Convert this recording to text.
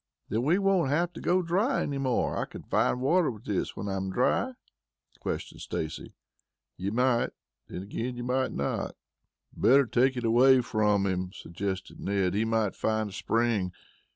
"Then then we won't have to go dry any more I can find water with this when I'm dry?" questioned Stacy. "You might; then again you might not." "Better take it away from him," suggested Ned. "He might find a spring.